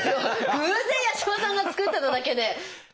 偶然八嶋さんがつけてただけで。